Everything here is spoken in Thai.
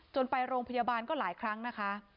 ไปโรงพยาบาลก็หลายครั้งนะคะ